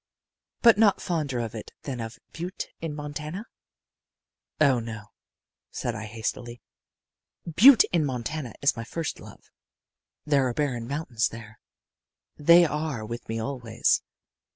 "But not fonder of it than of Butte, in Montana?" "Oh, no," said I, hastily. "Butte in Montana is my first love. There are barren mountains there they are with me always.